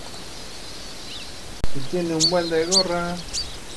Las patas son de color grisáceo oscuro y el iris es oscuro.